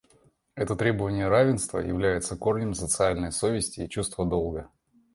Это требование равенства является корнем социальной совести и чувства долга.